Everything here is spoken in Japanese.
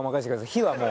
火はもう。